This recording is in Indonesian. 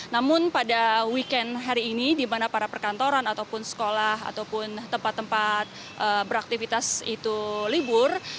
namun pada weekend hari ini di mana para perkantoran ataupun sekolah ataupun tempat tempat beraktivitas itu libur